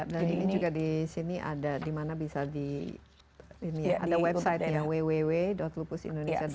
dan ini juga di sini ada di mana bisa di website www lupusindonesia com